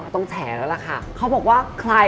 ต้องแฉนแล้วล่ะค่ะ